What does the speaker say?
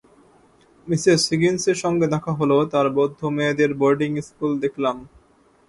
Mrs হিগিন্সের সঙ্গে দেখা হল, তাঁর বৌদ্ধ মেয়েদের বোর্ডিং স্কুল দেখলাম।